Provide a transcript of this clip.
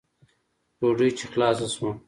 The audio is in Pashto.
ډوډۍ چې خلاصه سوه.